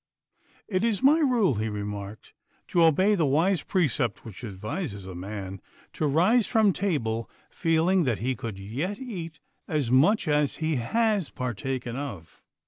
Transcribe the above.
'It is my rule,' he remarked, 'to obey the wise precept which advises a man to rise from table feeling that he could yet eat as much as he has partaken of.